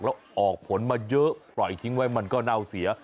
แล้วออกผลมาเยอะปล่อยทิ้งไว้มันก็เน่าเสีย